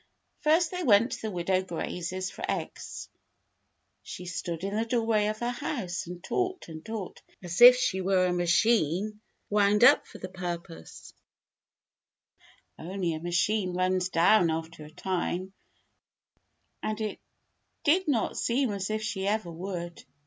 First they went to the widow Gray's for eggs. She stood in the doorw^ay of her house and talked and talked as if she were a machine wound up for the purpose; only a machine runs down after a time, and it did not seem as if she ever would.